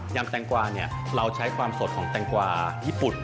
แตงกวาเราใช้ความสดของแตงกวาญี่ปุ่น